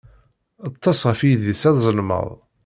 Ṭṭes ɣef yidis azelmaḍ.